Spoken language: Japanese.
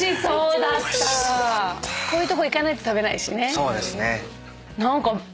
こういうとこ行かないと食べないしね。